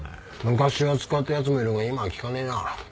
昔は使った奴もいるが今は聞かねえな。